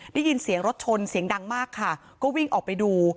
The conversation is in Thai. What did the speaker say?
ได้ยินเสียงรถชนเสียงดังมากค่ะก็วิ่งออกไปดู